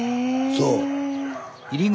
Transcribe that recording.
そう。